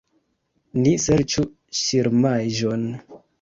Ni serĉu ŝirmaĵon.